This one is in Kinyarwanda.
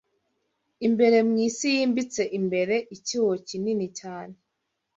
Imbere, mwisi yimbitse imbere: Icyuho kinini cyane